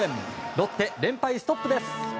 ロッテ、連敗ストップです。